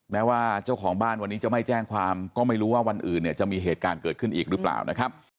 แม้ว่าเจ้าของบ้านวันนี้จะไม่แจ้งความก็ไม่รู้ว่าวันอื่นเนี่ยจะมีเหตุการณ์เกิดขึ้นอีกหรือเปล่านะครับ